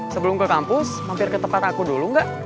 sebelum ke kampus mampir ke tempat aku dulu nggak